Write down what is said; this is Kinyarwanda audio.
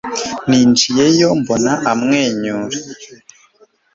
ninjiyeyo mbona amwenyura